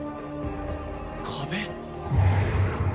「壁？」